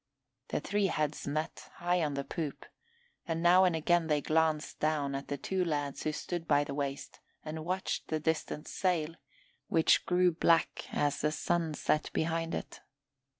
The three heads met, high on the poop, and now and again they glanced down at the two lads who stood by the waist and watched the distant sail, which grew black as the sun set behind it.